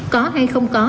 có hay không có